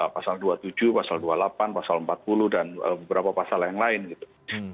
pasal dua puluh tujuh pasal dua puluh delapan pasal empat puluh dan beberapa pasal yang lain gitu